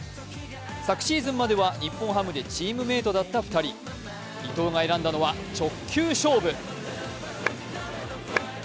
昨シーズンまでは日本ハムでチームメイトだった２人、伊藤が選んだのは直球勝負。